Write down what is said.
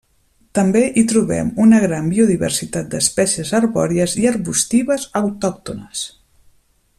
També hi trobem una gran biodiversitat d’espècies arbòries i arbustives autòctones.